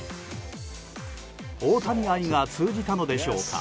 大谷愛が通じたのでしょうか。